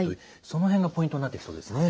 その辺がポイントになってきそうですね。